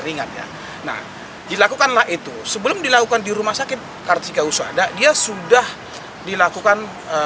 ringan ya nah dilakukanlah itu sebelum dilakukan di rumah sakit kartika usada dia sudah dilakukan